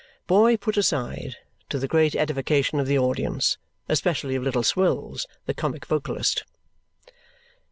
Boy put aside, to the great edification of the audience, especially of Little Swills, the comic vocalist.